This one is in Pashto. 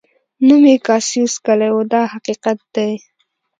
نوم یې کاسیوس کلي و دا حقیقت دی.